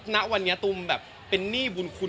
ณวันนี้ตูมแบบเป็นหนี้บุญคุณ